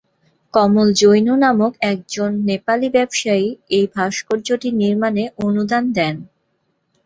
কমল জৈন নামক একজন নেপালি ব্যবসায়ী এই ভাস্কর্যটি নির্মাণে অনুদান দেন।